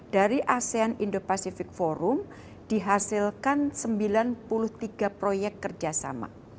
dari asean indo pacific forum dihasilkan sembilan puluh tiga proyek kerjasama